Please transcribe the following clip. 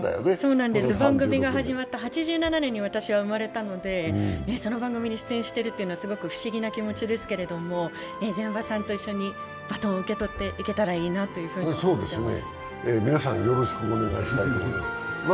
そうなんです、番組始まった８７年に私は生まれたのでその番組に出演しているというのはすごく不思議な気持ちですけど膳場さんと一緒にバトンを受け取っていけたらと思います。